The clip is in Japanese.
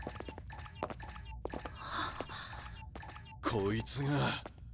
こいつが。